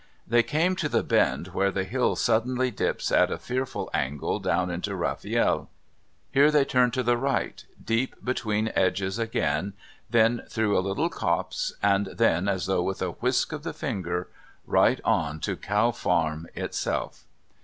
They came to the bend where the hill suddenly dips at a fearful angle down into Rafield. Here they turned to the right, deep between edges again, then through a little copse, and then, as though with a whisk of the finger, right on to Cow Farm itself.